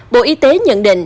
bộ y tế nhận định